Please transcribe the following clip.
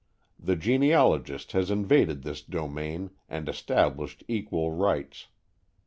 The genealogist has invaded this domain and established equal rights.